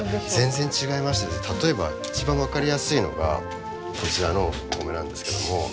全然違いまして例えば一番分かりやすいのがこちらのお米なんですけども。